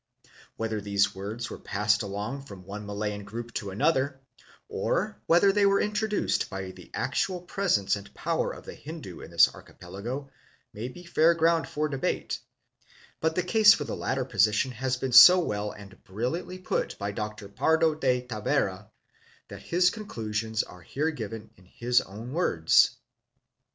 Whether these words were passed along from one Malayan group to another, or whether they were introduced by the actual presence and power of the Hindu in this archipelago, may be fair ground for debate; but the case for the latter position has been so well and brilliantly put by Dr. Pardo de Tavera that his conclusions are here given in his own words.